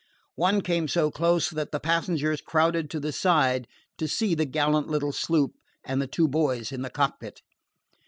One came so close that the passengers crowded to the side to see the gallant little sloop and the two boys in the cockpit.